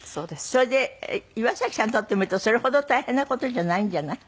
それで岩崎さんにとってみるとそれほど大変な事じゃないんじゃない？